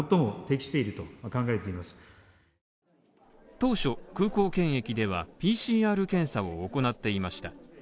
当初、空港検疫では、ＰＣＲ検査を行っていました。